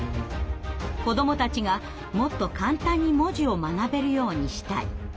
「子どもたちがもっと簡単に文字を学べるようにしたい」。